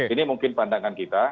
ini mungkin pandangan kita